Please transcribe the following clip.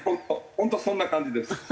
本当そんな感じです。